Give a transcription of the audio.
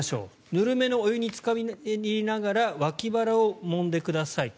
ぬるめのお湯につかりながら脇腹をもんでください。